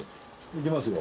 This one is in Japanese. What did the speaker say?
いきますよ。